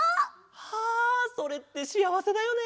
はあそれってしあわせだよね。